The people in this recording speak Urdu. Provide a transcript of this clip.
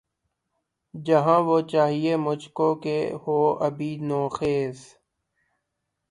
جہاں وہ چاہیئے مجھ کو کہ ہو ابھی نوخیز